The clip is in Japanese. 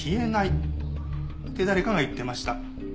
って誰かが言ってました。